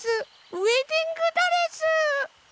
ウエディングドレス！